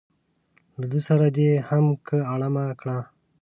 له ده سره دې هم که اړمه کړه.